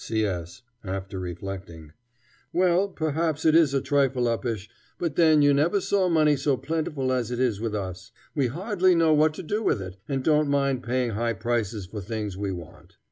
C. S. (after reflecting). Well, perhaps it is a trifle uppish, but then you never saw money so plentiful as it is with us. We hardly know what to do with it, and don't mind paying high prices for things we want.